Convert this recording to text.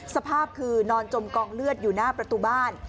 สภาพคือนอนจมกองเลือดอยู่หน้าประตูบ้าน